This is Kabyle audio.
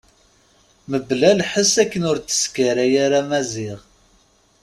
Mebla lḥess akken ur d-teskaray ara Maziɣ.